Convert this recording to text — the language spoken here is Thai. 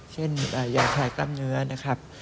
เช่นยาคลายกล้ามเนื้อนะครับ